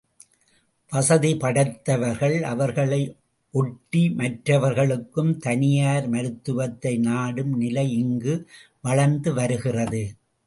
வசதி படைத்தவர்கள் அவர்களை ஒட்டி மற்றவர்களும் தனியார் மருத்துவத்தை நாடும் நிலை இங்கு வளர்ந்துவருகிறது.